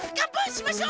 しましょ！